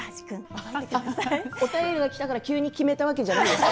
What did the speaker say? お便りがきたから急に決めたわけではないですね？